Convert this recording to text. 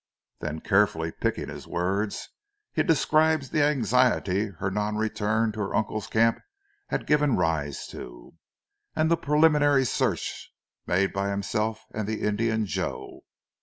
Then, carefully picking his words, he described the anxiety her non return to her uncle's camp had given rise to; and the preliminary search made by himself and the Indian Joe.